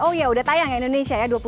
oh iya udah tayang ya indonesia ya